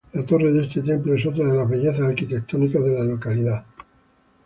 La torre de este templo es otra de las bellezas arquitectónicas de la localidad.